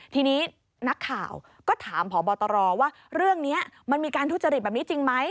ทีนี้นักข่าวก็ถามพบตรว่าเรื่องนี้มันมีการทุจริตแบบนี้จริงไหม